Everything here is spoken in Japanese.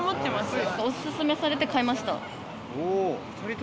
おすすめされて買いました。